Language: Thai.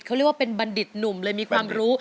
เขาเรียกว่าเป็นบัณฑิตหนุ่มเลยมีความรู้